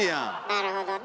なるほどね。